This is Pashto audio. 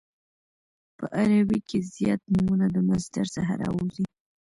په عربي کښي زیات نومونه د مصدر څخه راوځي.